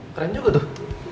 keren juga tuh